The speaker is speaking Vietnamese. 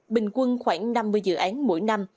bình quân khoảng năm mươi dự án mỗi năm